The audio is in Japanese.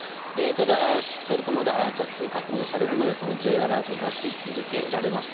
ただしっかりとまだ着水確認されるまでこのＪアラート出し続けられます。